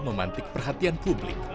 memantik perhatian publik